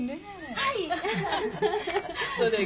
はい。